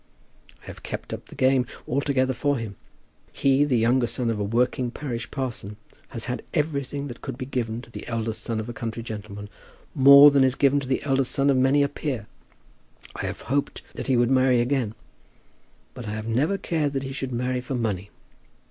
I have kept up the game altogether for him. He, the younger son of a working parish parson, has had everything that could be given to the eldest son of a country gentleman, more than is given to the eldest son of many a peer. I have hoped that he would marry again, but I have never cared that he should marry for money.